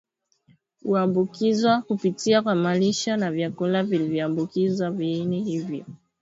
Huambukizwa kupitia kwa malisho na vyakula vilivyoambukizwa viini hivyo